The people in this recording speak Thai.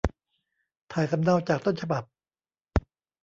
ถ่ายสำเนาจากต้นฉบับ